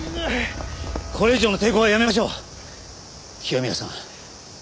これ以上の抵抗はやめましょう清宮さん。